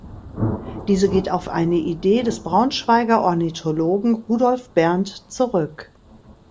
Diese geht auf eine Idee des Braunschweiger Ornithologen Rudolf Berndt zurück.